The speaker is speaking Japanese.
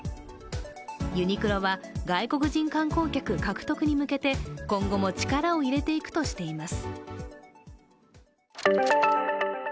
ユニクロは外国人観光客獲得に向けて今後も力を入れていくとしています。